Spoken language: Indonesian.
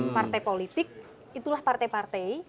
partai politik itulah partai partai